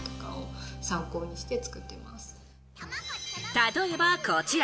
例えばこちら。